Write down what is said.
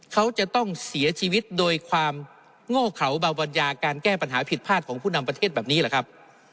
เขาจะต้องเสียชีวิตโดยความโง่เขาเบาบรรยาการแก้ปัญหาผิดพลาดของผู้นำประเทศแบบนี้แหละครับ